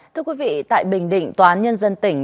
thưa quý vị tại bình định tòa án nhân dân tỉnh